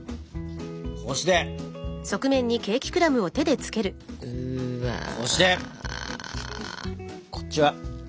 こうしてこうしてこっちはこうして。